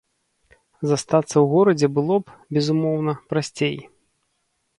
Застацца ў горадзе было б, безумоўна, прасцей.